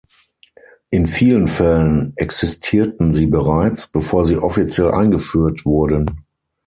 In vielen Fällen existierten sie bereits, bevor sie offiziell eingeführt wurden.